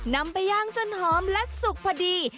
นำไปย่างจนหอมและสุกพอดี